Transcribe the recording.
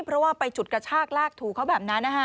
เพราะว่าไปฉุดกระชากลากถูเขาแบบนั้นนะฮะ